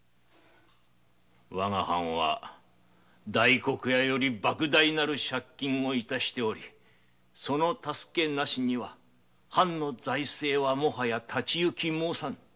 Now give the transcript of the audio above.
我が藩は大黒屋よりばく大な借金を致しておりその助けなしには藩の財政はもはや立ち行き申さぬ姫